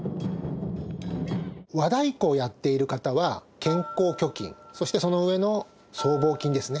和太鼓をやっている方は肩甲挙筋そしてその上の僧帽筋ですね